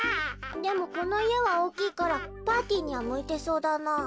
でもこのいえはおおきいからパーティーにはむいてそうだなあ。